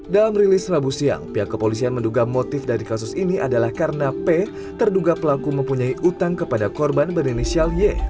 dalam rilis rabu siang pihak kepolisian menduga motif dari kasus ini adalah karena p terduga pelaku mempunyai utang kepada korban berinisial y